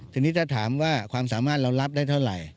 ทีนี้ถ้าถามว่าความสามารถเรารับได้เท่าไหร่